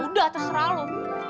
yaudah terserah lu